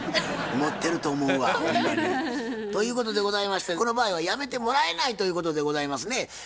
持ってると思うわほんまに。ということでございましてこの場合はやめてもらえないということでございますね。